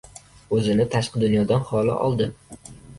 O‘zini tashqi dunyodan xoli oldi.